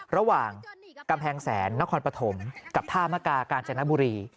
ระหว่างกำแพงแสนนครปฐมกับท่ามกากาญจนบุรี